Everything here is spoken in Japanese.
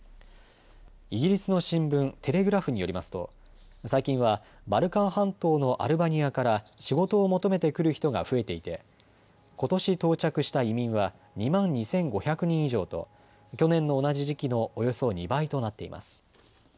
イギリスの新聞、テレグラフによりますと最近はバルカン半島のアルバニアから仕事を求めて来る人が増えていてことし到着した移民は２万２５００人以上と去年の同じ時期のおよそ２倍となっています。